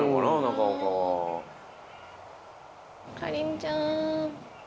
かりんちゃん。